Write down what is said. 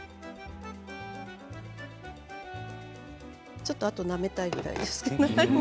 ちょっと、あとなめたいぐらいですけどね。